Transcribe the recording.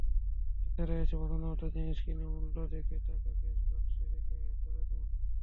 ক্রেতারা এসে পছন্দমতো জিনিস কিনে মূল্য দেখে টাকা ক্যাশবাক্সে রেখে চলে যান।